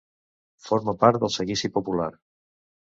Forma part del Seguici Popular.